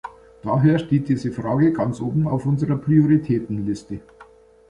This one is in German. Daher steht diese Frage ganz oben auf unserer Prioritätenliste.